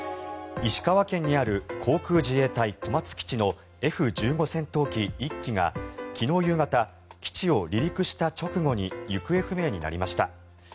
石川県にある航空自衛隊小松基地のＦ１５戦闘機１機が昨日夕方基地を離陸した直後に行方不明になりました。